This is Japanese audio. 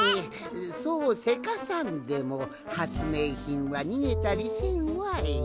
そうせかさんでもはつめいひんはにげたりせんわい。